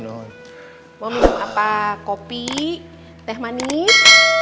mau minum apa kopi teh manis